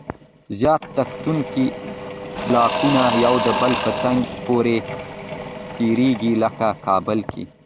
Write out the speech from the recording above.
زیاره تکتونیکي بلاکونه یو د بل په څنګ پورې تېریږي. لکه کابل کې